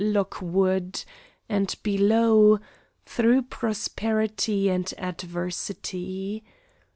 Lockwood"; and below, "Through prosperity and adversity."